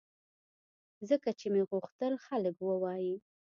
ځکه چې مې غوښتل خلک ووایي